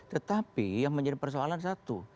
tetapi yang menjadi persoalan satu